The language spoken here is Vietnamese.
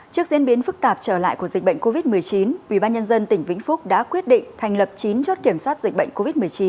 trước diễn biến phức tạp trở lại của dịch bệnh covid một mươi chín ubnd tỉnh vĩnh phúc đã quyết định thành lập chín chốt kiểm soát dịch bệnh covid một mươi chín